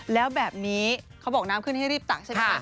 แล้วแบบนี้เขาบอกน้ำขึ้นให้รีบตักใช่ไหมคะ